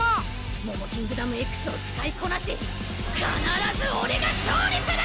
モモキングダムＸを使いこなし必ず俺が勝利する！